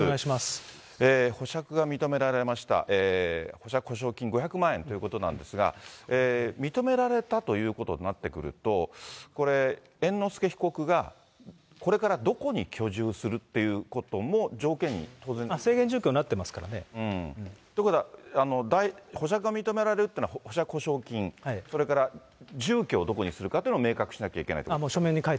保釈保証金５００万円ということなんですが、認められたということになってくると、これ、猿之助被告がこれからどこに居住するってことも条件に当然？ということは、保釈が認められるというのは、保釈保証金、それから住居をどこにするかというのを明確にしなきゃいけないと。